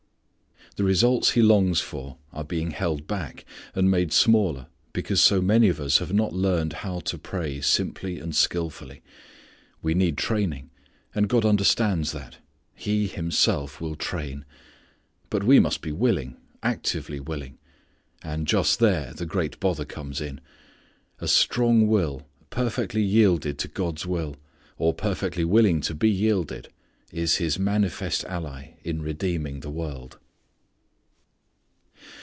The results He longs for are being held back, and made smaller because so many of us have not learned how to pray simply and skilfully. We need training. And God understands that. He Himself will train. But we must be willing; actively willing. And just there the great bother comes in. A strong will perfectly yielded to God's will, or perfectly willing to be yielded, is His mightiest ally in redeeming the world.